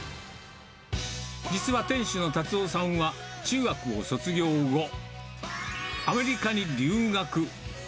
実は店主の達夫さんは、中学を卒業後、アメリカに留学。